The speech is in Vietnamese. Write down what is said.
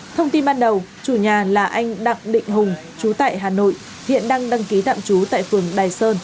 thông tin ban đầu chủ nhà là anh đặng định hùng chú tại hà nội hiện đang đăng ký tạm trú tại phường đài sơn